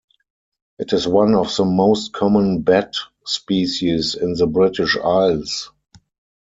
It is one of the most common bat species in the British Isles.